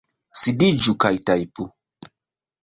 Sidiĝu kaj tajpu!